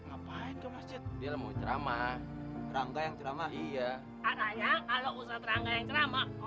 ngapain itu masjid dia mau ceramah rangga yang ceramah iya anaknya kalau ustadz rangga yang ceramah